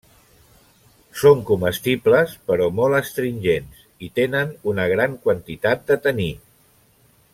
Són comestibles però molt astringents i tenen una gran quantitat de taní.